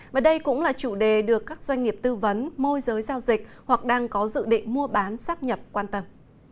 và đây cũng là chủ đề được các doanh nghiệp tư vấn môi giới giao dịch hoặc đang có dự định mua bán sắp nhập quan tâm